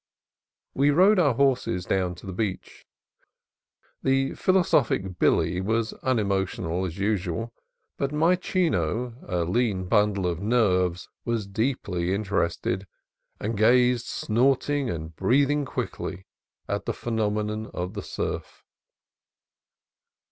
We rode our horses down to the beach. The phil osophic Billy was unemotional as usual, but my Chino, a lean bundle of nerves, was deeply inter ested, and gazed snorting and breathing quickly at the phenomenon of the surf.